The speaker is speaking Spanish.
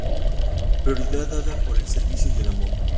Prioridad dada por el servicio y el amor.